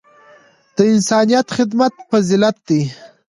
د انسانیت خدمت فضیلت دی.